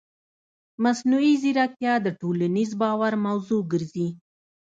مصنوعي ځیرکتیا د ټولنیز باور موضوع ګرځي.